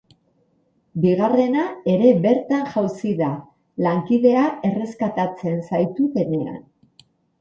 Bigarrena ere bertan jausi da, lankidea erreskatatzen saiatu denean.